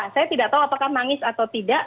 saya tidak tahu apakah nangis atau tidak